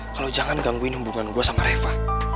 kalau jangan gangguin hubungan gue sama reva